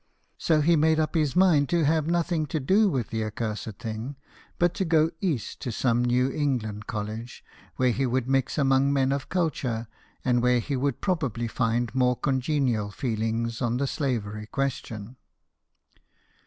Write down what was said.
So he made up his mind to having nothing to do with the accursed thing, but to go east to some New England college, where he would mix among men of culture, and where he would probably find more congenial feelings on the slavery question.